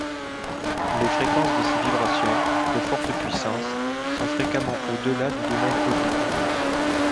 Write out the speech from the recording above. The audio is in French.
Les fréquences de ces vibrations, de forte puissance, sont fréquemment au-delà du domaine audible.